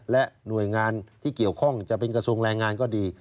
และหน่วยงานที่เกี่ยวข้องจะเป็นกระทรวงแรงงานก็ดี